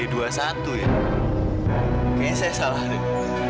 kayaknya saya salah deh